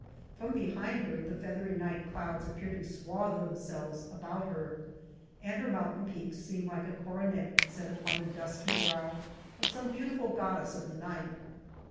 From behind her the feathery night clouds appear to swathe themselves about her, and her mountain peaks seem like a coronet set upon the dusky brow of some beautiful goddess of the night.